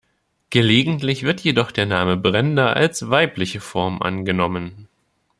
Gelegentlich wird jedoch der Name Brenda als weibliche Form angenommen.